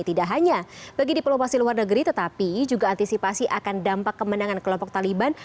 tidak hanya bagi diplomasi luar negeri tetapi juga antisipasi akan dampak kemenangan kelompok taliban